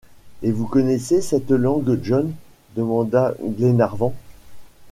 Et vous connaissez cette langue, John ? demanda Glenarvan.